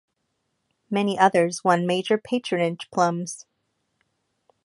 Many others won major patronage plums.